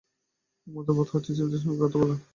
একমাত্র পথ হচ্ছে ছেলেটির সঙ্গে কথা বলা।